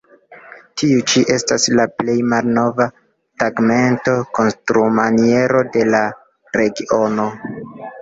Tiu ĉi estas la plej malnova tegmento-konstrumaniero de la regiono.